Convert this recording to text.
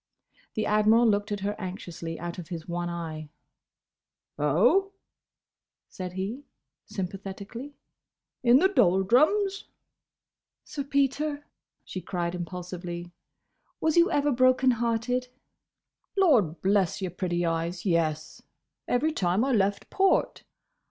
The Admiral looked at her anxiously out of his one eye. "Oh?" said he, sympathetically, "In the doldrums?" "Sir Peter," she cried, impulsively, "was you ever broken hearted?" "Lord bless your pretty eyes, yes! Every time I left port."